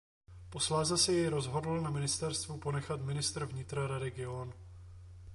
Posléze si jej rozhodl na ministerstvu ponechat ministr vnitra Radek John.